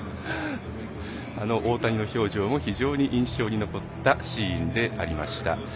大谷の表情も非常に印象に残ったシーンでありました。